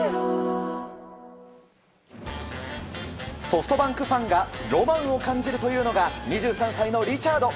ソフトバンクファンがロマンを感じるというのが２３歳のリチャード。